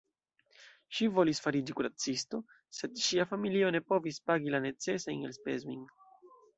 Ŝi volis fariĝi kuracisto, sed ŝia familio ne povis pagi la necesajn elspezojn.